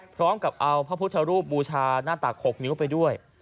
พร้อมกับเอาพระพุทธรูปบูชาหน้าตัก๖นิ้วไปด้วย